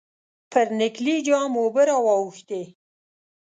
پر نکلي جام اوبه را واوښتې.